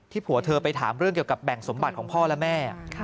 ผัวเธอไปถามเรื่องเกี่ยวกับแบ่งสมบัติของพ่อและแม่